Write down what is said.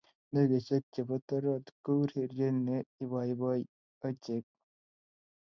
Ndegeishe che bo torot ko urerie ne iboiboi ochei.